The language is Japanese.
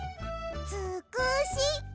「つくし」か！